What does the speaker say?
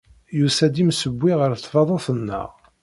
Yusa-d yimsewwi ɣer tdabut-nneɣ.